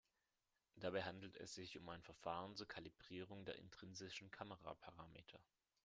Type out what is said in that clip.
Dabei handelt es sich um ein Verfahren zur Kalibrierung der intrinsischen Kameraparameter.